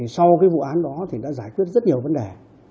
sau vụ án đó đã giải quyết rất nhiều vấn đề